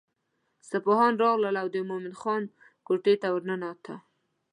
سپاهیان راغلل او د مومن خان کوټې ته ورننوته.